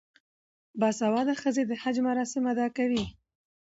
باسواده ښځې د حج مراسم ادا کوي.